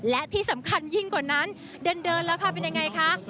และที่สำคัญยิ่งกว่านั้นเดินแล้วค่ะเป็นยังไงคะ